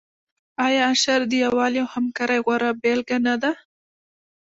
آیا اشر د یووالي او همکارۍ غوره بیلګه نه ده؟